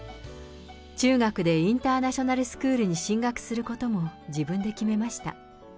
中学でインターナショナルスクールに進学することも、自分で決めました。